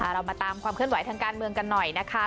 เรามาตามความเคลื่อนไหวทางการเมืองกันหน่อยนะคะ